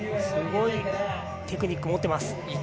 すごいテクニックを持っています。